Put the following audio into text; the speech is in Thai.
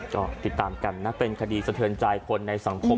ก็ติดตามกันนะเป็นคดีสะเทือนใจคนในสังคม